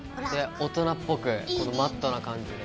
大人っぽくこのマットな感じで。